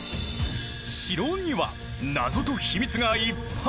城には謎と秘密がいっぱい！